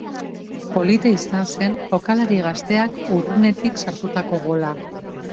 Polita izan zen jokalari gazteak urrunetik sartutako gola.